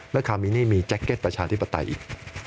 และคามินี่มีแจ็คเก็ตประชาธิปไตยอีก